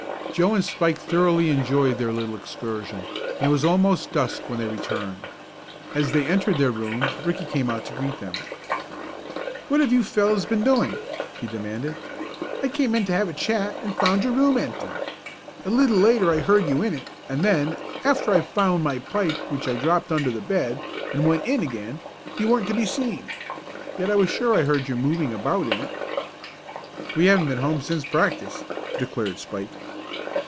Joe and Spike thoroughly enjoyed their little excursion, and it was almost dusk when they returned. As they entered their room, Ricky came out to greet them. "What have you fellows been doing?" he demanded. "I came in to have a chat, and I found your room empty. A little later I heard you in it, and then, after I had found my pipe which I dropped under the bed, and went in again, you weren't to be seen. Yet I was sure I heard you moving about in it." "We haven't been home since practice," declared Spike.